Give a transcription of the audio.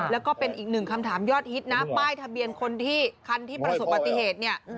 แล้วก็เป็นอีกหนึ่งคำถามยอดฮิตนะป้ายทะเบียนคนที่คันที่ประสบปฏิเหตุเนี่ย